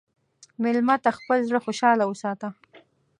مېلمه ته خپل زړه خوشحال وساته.